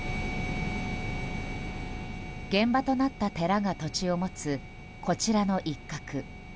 現場となった寺が土地を持つこちらの一画。